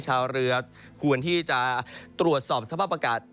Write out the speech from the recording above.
ชาวเรือควรที่จะตรวจสอบสภาพอากาศ